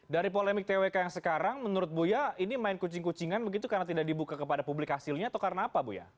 dari polemik twk yang sekarang menurut buya ini main kucing kucingan begitu karena tidak dibuka kepada publik hasilnya atau karena apa buya